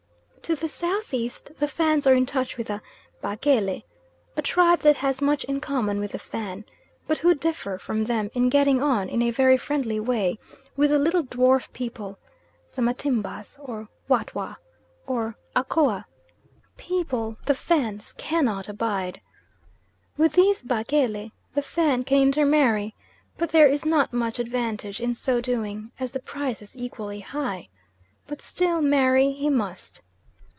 To the south east the Fans are in touch with the Bakele, a tribe that has much in common with the Fan, but who differ from them in getting on in a very friendly way with the little dwarf people, the Matimbas, or Watwa, or Akoa: people the Fans cannot abide. With these Bakele the Fan can intermarry, but there is not much advantage in so doing, as the price is equally high, but still marry he must.